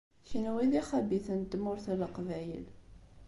Kenwi d ixabiten n Tmurt n Leqbayel.